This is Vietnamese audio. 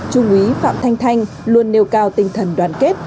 trung úy phạm thanh thanh luôn nêu cao tinh thần đoàn kết